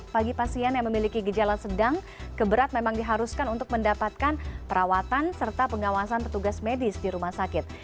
bagi pasien yang memiliki gejala sedang keberat memang diharuskan untuk mendapatkan perawatan serta pengawasan petugas medis di rumah sakit